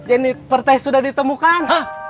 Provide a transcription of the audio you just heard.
ini per teh sudah ditemukan